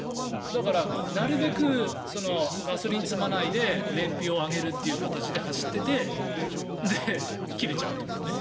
だからなるべくガソリンを積まないで燃費を上げるという形で走ってて切れちゃうということね。